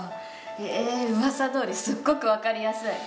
へえうわさどおりすっごくわかりやすい！